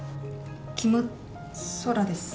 キム・ソラです。